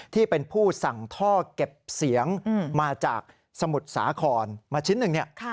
ที่เป็นผู้สั่งท่อเก็บเสียงมาจากสมุทรสาครมาชิ้นหนึ่งเนี่ย